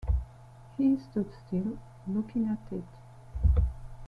He stood still, looking at it.